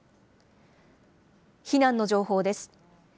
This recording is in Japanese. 避難の情報です。